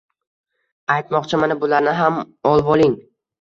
Aytmoqchi, mana bularni ham olvoling.